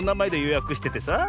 やくしててさ。